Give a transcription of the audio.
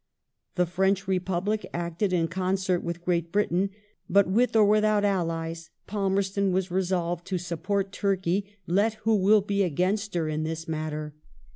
The French Republic acted in con cert with Great Britain ; but, with or without allies, Palmerston was " resolved to support Turkey, let who will be against her in this matter".